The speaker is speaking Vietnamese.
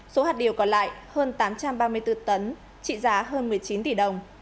số hạt điều còn lại hơn tám trăm ba mươi bốn tấn trị giá hơn một mươi chín tỷ đồng